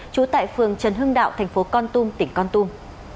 trú tại phường trần hưng đạo thành phố con tum tỉnh con tum